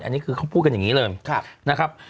อันนี้คือเขาพูดกันอย่างนี้เลยนะครับ